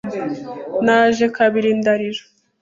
Naje kabiri ndarira!